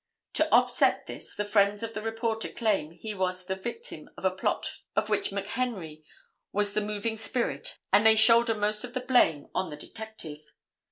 To offset this, the friends of the reporter claim that he was the victim of a plot of which McHenry was the moving spirit and they shoulder most of the blame on the detective.